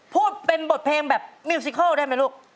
พูดเป็นบทเพลงแบบเมล์ซิคโค้งได้มั้ยลูก